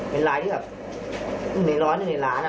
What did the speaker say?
เป็นลายที่แบบในร้อนอยู่ในร้าน